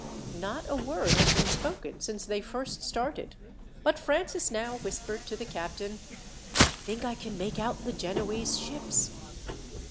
Not a word had been spoken since they first started, but Francis now whispered to the captain, "I think I can make out the Genoese ships."